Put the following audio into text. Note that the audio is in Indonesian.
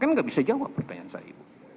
kan gak bisa jawab pertanyaan saya